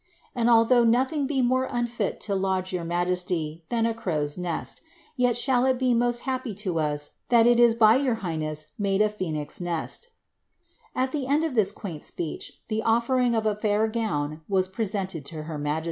And although nothing be more unfit to lodge your majesty than a crow's ■eirt, yet shall it be most happy to us that it is by your highness made t phcsnix nest" At the end of this quaint speech, the offering of a fiur gown was presented to her majesty.